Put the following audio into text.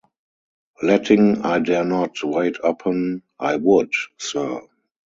Letting 'I dare not' wait upon 'I would', sir.